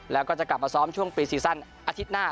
แล้วก็จะกลับมาซ้อมช่วงปีซีซั่นอาทิตย์หน้า